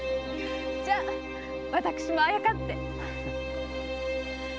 じゃあ私もあやかって。